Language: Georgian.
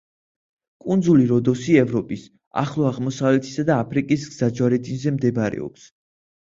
კუნძული როდოსი ევროპის, ახლო აღმოსავლეთისა და აფრიკის გზაჯვარედინზე მდებარეობს.